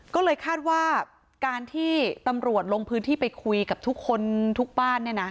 ก็เลยคาดว่าการที่ตำรวจลงพื้นที่ไปคุยกับทุกคนทุกบ้าน